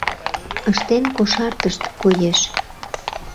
Ыштен кошартышт, коеш.